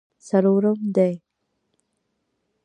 څلورم دی.